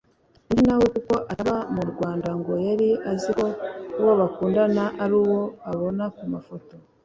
undi na we kuko ataba mu Rwanda ngo yari azi ko uwo bakundana ari uwo abona ku mafoto